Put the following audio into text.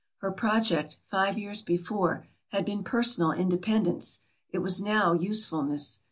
Her project, five years before, had been personal independence; it was now usefulness.